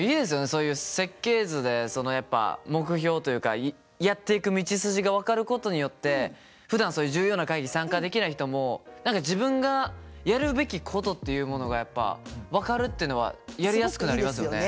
そういう設計図でそのやっぱ目標というかやっていく道筋が分かることによってふだんそういう重要な会議に参加できない人も何か自分がやるべきことっていうものがやっぱ分かるっていうのはやりやすくなりますよね。